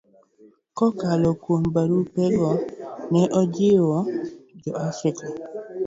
Kokalo kuom barupego, ne ojiwo Jo-Afrika